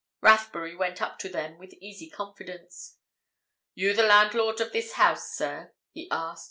Rathbury went up to them with easy confidence. "You the landlord of this house, sir?" he asked. "Mr.